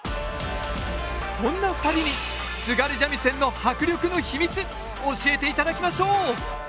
そんな二人に津軽三味線の迫力の秘密教えていただきましょう！